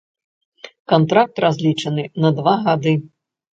Кантракт разлічаны на два гады.